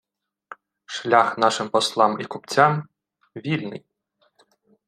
Шлях нашим Послам і купцям… вільний